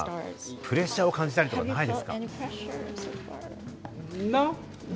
プレッシャーを感じたりとかないですか？